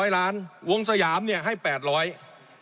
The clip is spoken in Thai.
๑๔๐๐ล้านตรีวงสยามเนี่ยให้๘๐๐ล้านตรี